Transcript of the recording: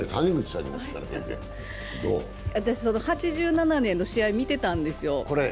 私、８７年の試合見てたんですよ。